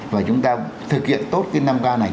và chúng ta thực hiện tốt cái năm k này